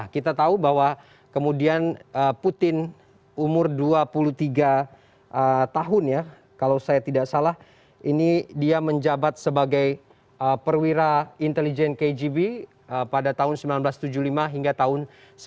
kita tahu bahwa kemudian putin umur dua puluh tiga tahun ya kalau saya tidak salah ini dia menjabat sebagai perwira intelijen kgb pada tahun seribu sembilan ratus tujuh puluh lima hingga tahun seribu sembilan ratus sembilan puluh